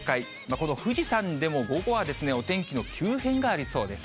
この富士山でも、午後はお天気の急変がありそうです。